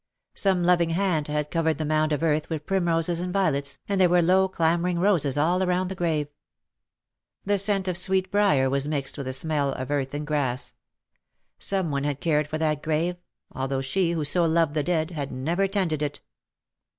Some loving hand had covered the mound of earth with primroses and violets, and there were low clambering roses all round the grave. The scent of sweetbriar was mixed with the smell of earth and grass. Some one had cared for that grave, although she, who so loved the dead, had never tended it.